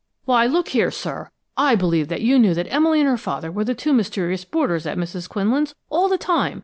"Why, look here, sir, I believe you knew that Emily and her father were the two mysterious boarders at Mrs. Quinlan's, all the time!